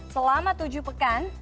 selama tujuh pekan